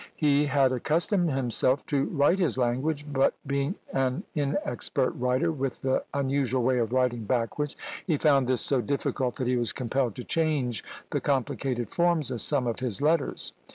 He had accustomed himself to write his language; but being an inexpert writer with the unusual way of writing backwards, he found this so difficult, that he was compelled to change the complicated forms of some of his letters.